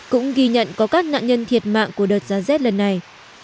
cũng ghi nhận có các nạn nhân thiệt mạng của đợt giá rét lần này